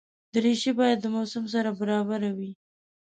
دریشي باید د موسم سره برابره وي.